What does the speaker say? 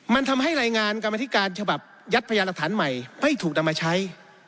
มันทำให้รายงานกรรมธิการฉบับยัดพยานหลักฐานใหม่ไม่ถูกนำมาใช้